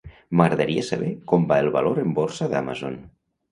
M'agradaria saber com va el valor en borsa d'Amazon.